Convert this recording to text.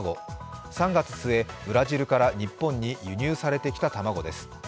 ３月末、ブラジルから日本に輸入されてきた卵です。